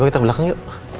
coba kita ke belakang yuk